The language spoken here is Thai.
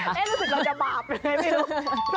รู้สึกเราจะบาปยังไงไม่รู้